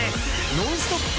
ノンストップ！